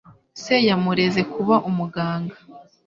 Se yamureze kuba umuganga.